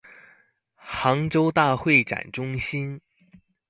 杭州大会展中心